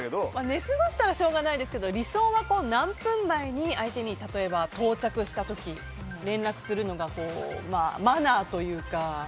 寝過ごしたらしょうがないですけど理想は何分前に相手に、到着した時連絡するのがマナーというか。